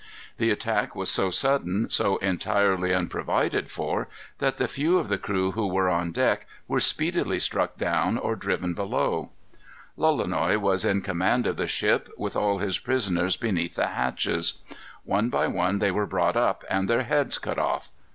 The attack was so sudden, so entirely unprovided for, that the few of the crew who were on deck were speedily struck down or driven below. Lolonois was in command of the ship, with all his prisoners beneath the hatches. One by one they were brought up, and their heads cut off.